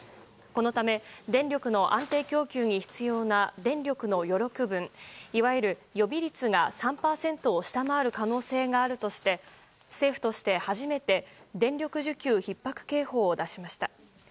このため電力の安定供給に必要な電力の余力分いわゆる予備率が３％を下回る可能性があるとして政府として初めて電力需給ひっ迫警報を出しました。